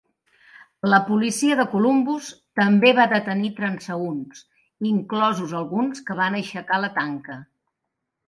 La policia de Columbus també va detenir transeünts, inclosos alguns que van aixecar la tanca.